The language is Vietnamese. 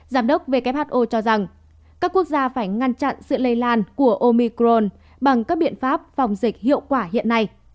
giám đốc who cho rằng các quốc gia phải ngăn chặn sự lây lan của omicron bằng các biện pháp phòng dịch hiệu quả hiện nay